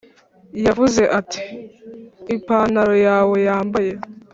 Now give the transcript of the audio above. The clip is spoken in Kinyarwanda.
yavuze ati: "ipantaro yawe yambaye;